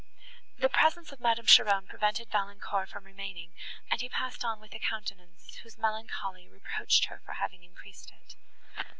The presence of Madame Cheron prevented Valancourt from remaining, and he passed on with a countenance, whose melancholy reproached her for having increased it.